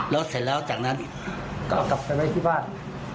แล้วเสร็จแล้วจากนั้นก็เอากลับไปไว้ที่บ้าน